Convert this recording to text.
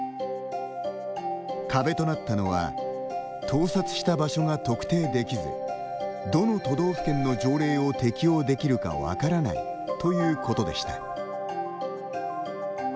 壁となったのは「盗撮した場所が特定できずどの都道府県の条例を適用できるか分からない」ということでした。